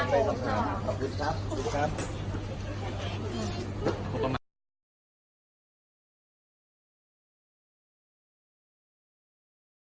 ขอบคุณครับขอบคุณครับ